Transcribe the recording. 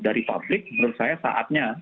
dari publik menurut saya saatnya